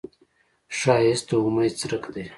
ښایست د امید څرک دی